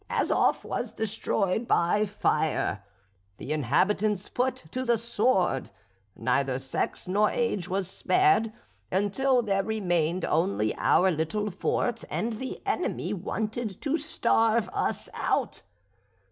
Azof was destroyed by fire, the inhabitants put to the sword, neither sex nor age was spared; until there remained only our little fort, and the enemy wanted to starve us out.